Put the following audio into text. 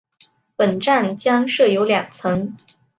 本站将设有两层。